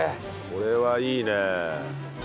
これはいいね。